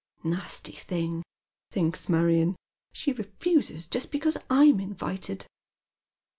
" Nasty thing," thinks Marion, *' she refuses just because I'm invited."